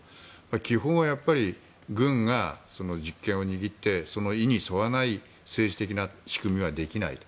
基本は軍が実権を握ってその意に沿わない政治的な仕組みはできないと。